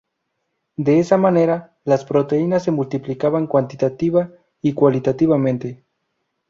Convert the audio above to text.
De esa manera, las proteínas se multiplicaban cuantitativa y cualitativamente.